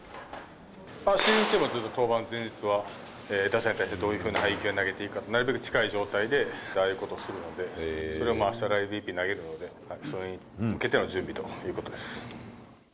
シーズン中も登板前日は打者に対してどういうふうな配球を投げていくかって、なるべく近い状態でああいうことをするので、それもあしたライブＢＰ投げるので、それに向けての準備ということです。